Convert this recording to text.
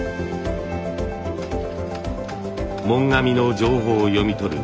紋紙の情報を読み取る